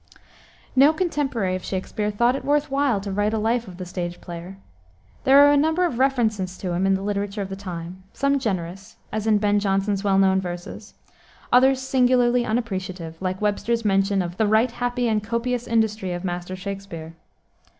No contemporary of Shakspere thought it worth while to write a life of the stage player. There are a number of references to him in the literature of the time; some generous, as in Ben Jonson's well known verses; others singularly unappreciative, like Webster's mention of "the right happy and copious industry of Master Shakspere."